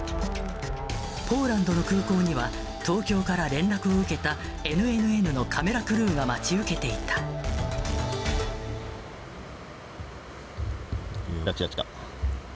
ポーランドの空港には、東京から連絡を受けたＮＮＮのカメラクルーが待ち受けていた。来た来た来た。